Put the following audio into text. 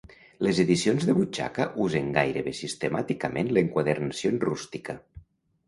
Les edicions de butxaca usen gairebé sistemàticament l'enquadernació en rústica.